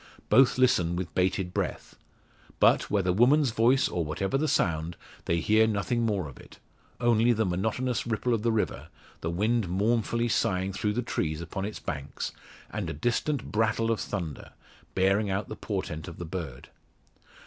Both listen with bated breath. But, whether woman's voice, or whatever the sound, they hear nothing more of it; only the monotonous ripple of the river, the wind mournfully sighing through the trees upon its banks, and a distant "brattle," of thunder, bearing out the portent of the bird.